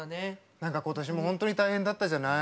ことしも本当に大変だったじゃない。